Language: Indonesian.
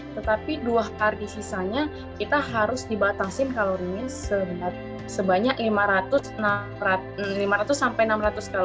tetapi dua kali sisanya kita harus dibatasi kalorinya sebanyak lima ratus sampai enam ratus kalori